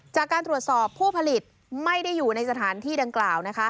จากการตรวจสอบผู้ผลิตไม่ได้อยู่ในสถานที่ดังกล่าว